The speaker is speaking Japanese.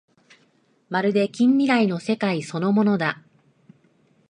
まるで近未来の世界そのものだ